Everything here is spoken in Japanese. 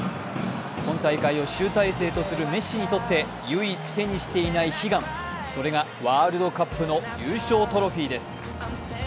今大会を集大成とするメッシにとって、唯一手にしていない悲願、それがワールドカップの優勝トロフィーです。